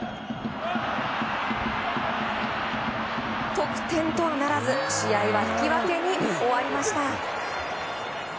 得点とはならず試合は引き分けに終わりました。